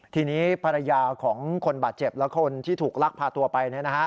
ทีนี้ภรรยาของคนบาดเจ็บและคนที่ถูกลักพาตัวไป